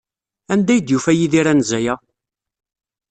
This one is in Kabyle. Anda ay d-yufa Yidir anza-a?